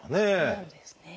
そうですね。